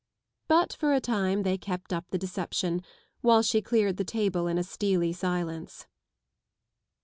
But for a time they kept up the deception, while she cleared the table in a steely silence.